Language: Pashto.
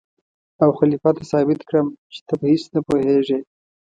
او خلیفه ته ثابت کړم چې ته په هېڅ نه پوهېږې.